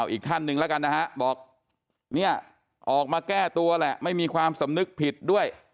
อีกท่านหนึ่งแล้วกันนะฮะบอกเนี่ยออกมาแก้ตัวแหละไม่มีความสำนึกผิดด้วย